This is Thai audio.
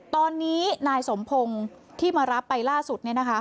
ตอนนี้นายสมพงศ์ที่มารับไปล่าสุด